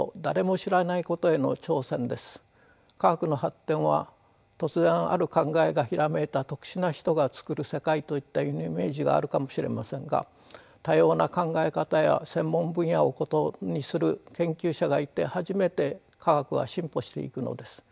科学の発展は突然ある考えがひらめいた特殊な人が作る世界といったイメージがあるかもしれませんが多様な考え方や専門分野を異にする研究者がいて初めて科学は進歩していくのです。